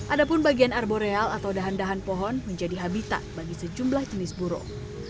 ada pun bagian arboreal atau dahan dahan pohon menjadi habitat bagi sejumlah jenis burung